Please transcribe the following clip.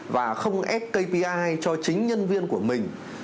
và không ép kpi cho chính nhân viên của mình